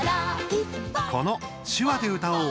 この、手話でうたおう！